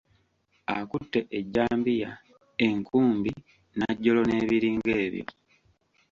Akutte ejjambiya, enkubi, najjolo n'ebiringa ebyo.